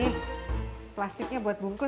nih plastiknya buat bungkus